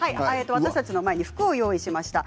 私たちの前に服を用意しました